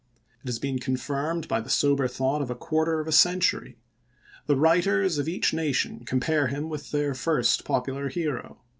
It has been confirmed by the sober thought of a quarter of a century. The writers of each nation compare him with their first popular hero.